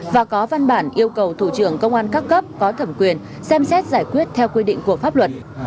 và có văn bản yêu cầu thủ trưởng công an các cấp có thẩm quyền xem xét giải quyết theo quy định của pháp luật